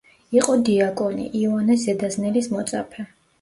იყო დიაკონი, იოანე ზედაზნელის მოწაფე.